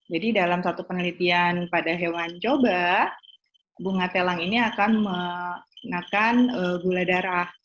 jadi dalam satu penelitian pada hewan coba bunga telang ini akan menakan gula darah